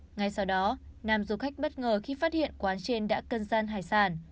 ngay sau đó nam du khách bất ngờ khi phát hiện quán trên đã cân gian hải sản